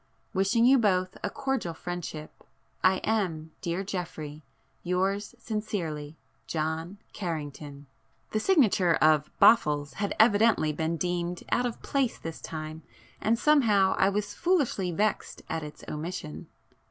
Wishing you both a cordial friendship, I am, dear Geoffrey, Yours sincerely John Carrington. The signature of 'Boffles' had evidently been deemed out of place this time and somehow I was foolishly vexed at its omission.